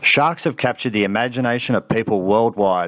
shark telah mengambil imajinasi orang orang di seluruh dunia